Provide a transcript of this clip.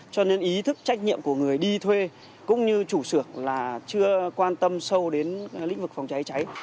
cho nên ý thức trách nhiệm của người đi thuê cũng như chủ sược là chưa quan tâm sâu đến lĩnh vực phòng cháy cháy